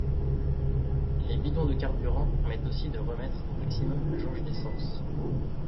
Les bidons de carburant permettent aussi de remettre au maximum la jauge d'essence.